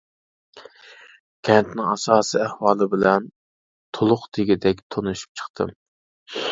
كەنتنىڭ ئاساسى ئەھۋالى بىلەن تولۇق دېگۈدەك تونۇشۇپ چىقتىم.